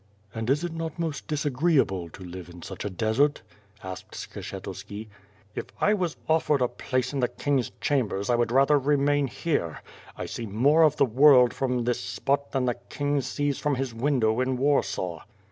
"And is it not most disagreeable to live in such a desert?" asked Skshetuski. "If I was offered a place in the king's chambers I would rather remain here. I see more of the world from this spot than the king sees from his window in Warsaw."